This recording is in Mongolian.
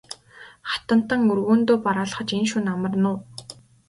Хатантан өргөөндөө бараалхаж энэ шөнө амарна уу?